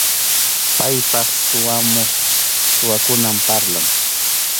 Paypaq suwamuq, suwakunawan parlan.